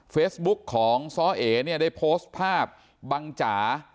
เฟซบุ๊กของซ้อเอเนี่ยได้โพสต์ภาพบังจ๋า